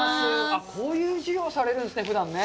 こういう授業をされるんですね、ふだんね。